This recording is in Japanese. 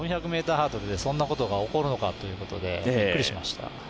４００ｍハードルでそんなことが起こるのかとびっくりしました。